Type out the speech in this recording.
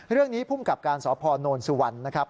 เรื่องนี้ภูมิกับการสพนสุวรรณนะครับ